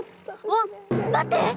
わっ待って！